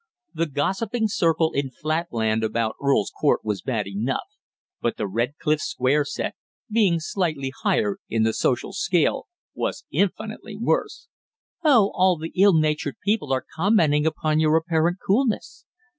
The gossiping circle in flat land about Earl's Court was bad enough, but the Redcliffe Square set, being slightly higher in the social scale, was infinitely worse. "Oh! all the ill natured people are commenting upon your apparent coolness.